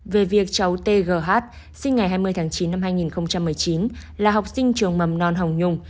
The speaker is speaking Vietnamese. về việc cháu t g h sinh ngày hai mươi tháng chín năm hai nghìn một mươi chín là học sinh trường mầm non hồng nhung